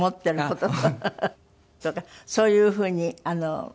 とかそういうふうに。